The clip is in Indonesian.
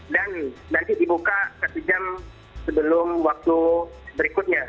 dan nanti dibuka satu jam sebelum waktu berikutnya